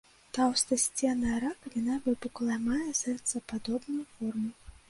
Таўстасценная ракавіна выпуклая, мае сэрцападобную форму.